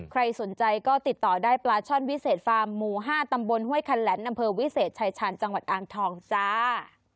ใครสนใจก็ติดต่อได้ปลาช่อนวิเศษฟาร์มหมู่๕ตำบลห้วยคันแหลนอำเภอวิเศษชายชาญจังหวัดอ่างทองจ้า